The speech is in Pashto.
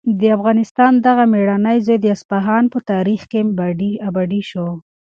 د افغانستان دغه مېړنی زوی د اصفهان په تاریخ کې ابدي شو.